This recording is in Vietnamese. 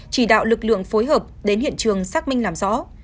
chỉ đạo lực lượng phối hợp đến hiện trường xác minh làm rõ